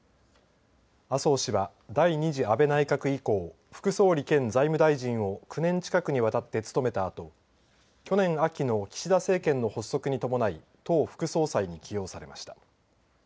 麻生氏は第２次安倍内閣以降副総理兼財務大臣を９年近くにわたって務めたあと去年秋の岸田政権の発足に伴い党副総裁に起用されました。